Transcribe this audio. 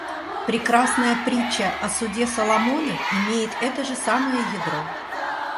Прекрасная притча о суде Соломона имеет это же самое ядро.